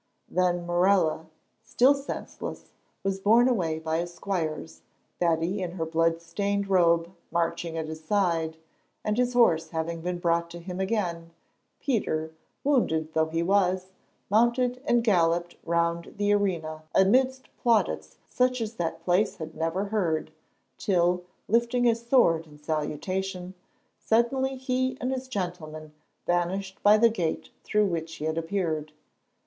Then Morella, still senseless, was borne away by his squires, Betty in her blood stained robe marching at his side, and his horse having been brought to him again, Peter, wounded though he was, mounted and galloped round the arena amidst plaudits such as that place had never heard, till, lifting his sword in salutation, suddenly he and his gentlemen vanished by the gate through which he had appeared.